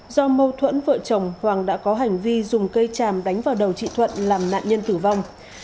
do mâu thuẫn vợ chồng hoàng đã có hành vi dùng cây tràm đánh vào đầu chị thuận làm nạn nhân tử vong